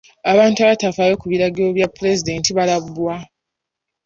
Abantu abatafaayo ku biragiro bya pulezidenti baalabulwa.